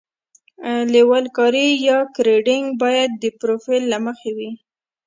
لیول کاري یا ګریډینګ باید د پروفیل له مخې وي